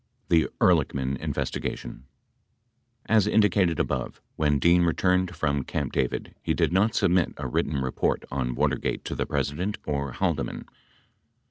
THE EHRLICHMAN INVESTIGATION' As indicated above, when Dean returned from Camp David he did not submit a written report on Watergate to the President or Halde man.